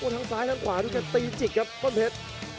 ทั้งซ้ายทั้งขวาด้วยกันตีจิกครับต้นเพชร